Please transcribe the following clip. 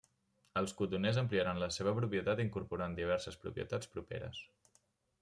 Els Cotoner ampliaren la seva propietat incorporant diverses propietats properes.